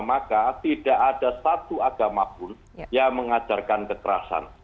karena tidak ada satu agama pun yang mengajarkan kekerasan